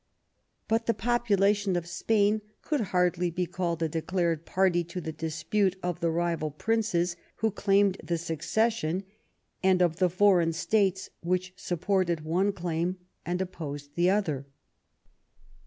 But the population of Spain could hardly be called a declared party to the dispute of the rival princes who claimed the succession, and of the foreign states which supported one claim and opposed the other.